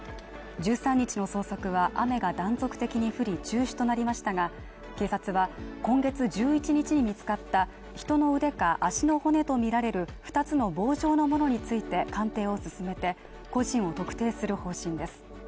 １３日の捜索は雨が断続的に降り、中止となりましたが、警察は今月１１日に見つかった人の腕か足の骨とみられる二つの棒状のものについて鑑定を進めて個人を特定する方針です。